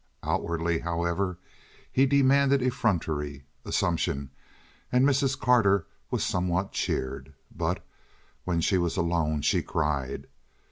Outwardly, however, he demanded effrontery, assumption; and Mrs. Carter was somewhat cheered, but when she was alone she cried.